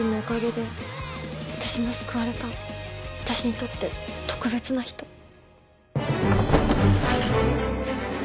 私にとって特別な人。